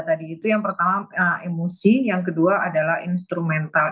tadi itu yang pertama emosi yang kedua adalah instrumental